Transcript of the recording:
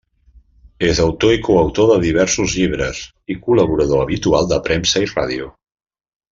És autor i coautor de diversos llibres i col·laborador habitual de premsa i ràdio.